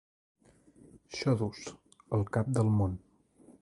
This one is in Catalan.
Xodos, al cap del món.